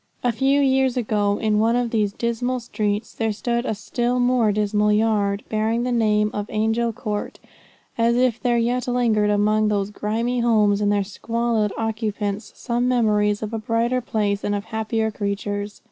A few years ago in one of these dismal streets there stood a still more dismal yard, bearing the name of Angel Court, as if there yet lingered among those grimy homes and their squalid occupants some memories of a brighter place and of happier creatures.